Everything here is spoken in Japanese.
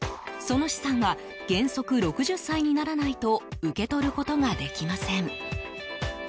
その資産は原則６０歳にならないと受け取ることができません。